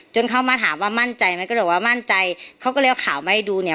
เข้ามาถามว่ามั่นใจไหมก็เลยบอกว่ามั่นใจเขาก็เลยเอาข่าวมาให้ดูเนี่ย